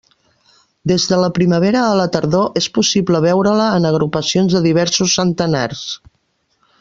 Des de la primavera a la tardor és possible veure-la en agrupacions de diversos centenars.